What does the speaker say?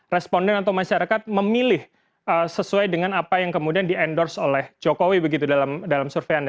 responden atau masyarakat memilih sesuai dengan apa yang kemudian di endorse oleh jokowi begitu dalam survei anda